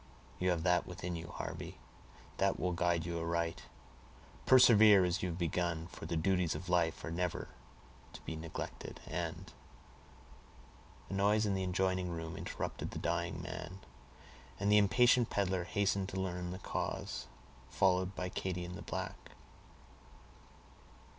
You have that within you, Harvey, that will guide you aright; persevere as you have begun, for the duties of life are never to be neglected and"—a noise in the adjoining room interrupted the dying man, and the impatient peddler hastened to learn the cause, followed by Katy and the black.